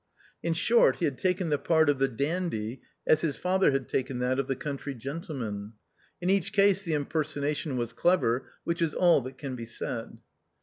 In short, he had taken the part of the dandy as his father had taken that of the country gen tleman. In each case the impersonation was clever, which is all that can be said.